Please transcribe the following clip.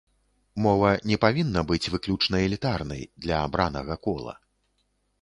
Мова не павінна быць выключна элітарнай, для абранага кола.